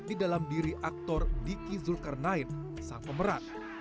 di dalam diri aktor diki zulkarnain sang pemeran